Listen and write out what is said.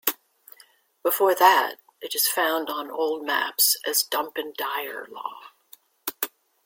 Before that, it is found on old maps as Dunpendyrlaw.